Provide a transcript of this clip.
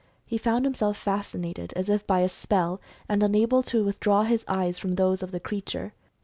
He found himself fascinated, as if by a spell, and unable to withdraw his eyes from those of the creature.